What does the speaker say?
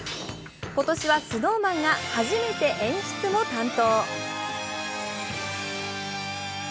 今年はＳｎｏｗＭａｎが初めて演出も担当。